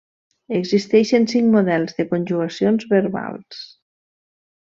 Existeixen cinc models de conjugacions verbals.